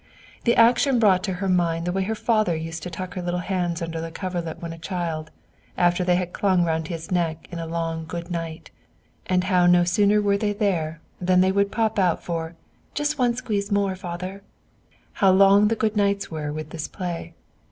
The action brought to her mind the way her father used to tuck her little hands under the coverlet when a child, after they had clung around his neck in a long good night, and how no sooner were they there than out they would pop for "just one squeeze more, Father;" how long the good nights were with this play!